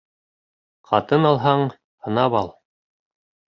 Ҡатын алһаң, һынап ал.